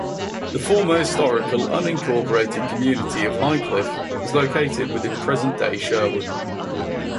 The former historical unincorporated community of High Cliff is located within present-day Sherwood.